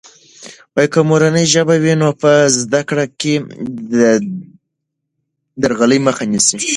که مورنۍ ژبه وي، نو په زده کړه کې د درغلي مخه نیسي.